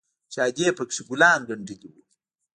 چې ادې پکښې ګلان گنډلي وو.